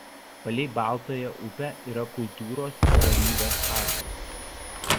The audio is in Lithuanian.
Palei Baltąja upe yra kultūros ir ramybės parkas.